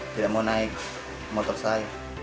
tidak mau naik motor saya